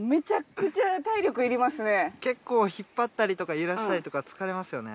でも結構引っ張ったりとか揺らしたりとか疲れますよね。